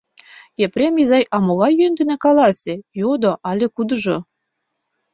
— Епрем изай, а могай йӧн дене, каласе? — йодо ала-кудыжо.